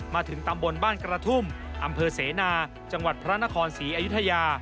มาถึงตำบลบ้านกระทุ่มอำเภอเสนาจังหวัดพระนครศรีอยุธยา